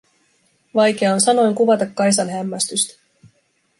Vaikea on sanoin kuvata Kaisan hämmästystä.